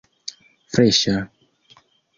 freŝa